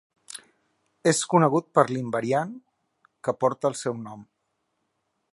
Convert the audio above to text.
És conegut per l'invariant, que porta el seu nom.